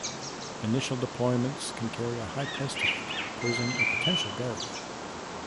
Initial deployments can carry a high price tag, posing a potential barrier